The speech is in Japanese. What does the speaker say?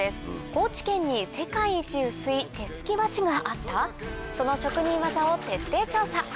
高知県に世界一薄い手すき和紙があった⁉その職人技を徹底調査。